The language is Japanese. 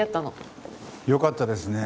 よかったですね